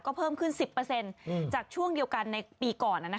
ก็เพิ่มขึ้น๑๐จากช่วงเดียวกันในปีก่อน